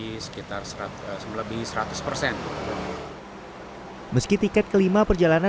meski tiket kelima perjalanan kereta amat berjualan